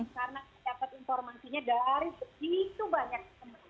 karena dapet informasinya dari begitu banyak